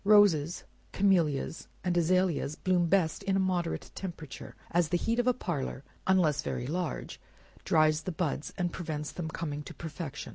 Roses, camelias, and azaleas bloom best in a moderate temperature, as the heat of a parlor (unless very large) dries the buds, and prevents their coming to perfection.